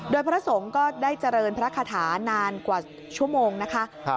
โดยพระสงฆ์ก็ได้เจริญพระคาถานานกว่าชั่วโมงนะคะ